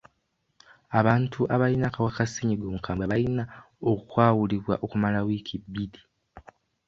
Abantu abayina akawuka ka ssenyiga omukambwe bayina okwawulibwa okumala wiiki bbiri.